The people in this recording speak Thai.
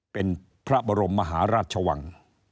เป็นพระบรมมหาราชวัง